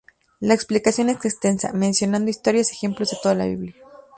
La explicación es extensa, mencionando historias y ejemplos de toda la Biblia.